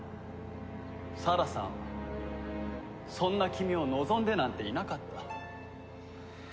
沙羅さんはそんな君を望んでなんていなかった。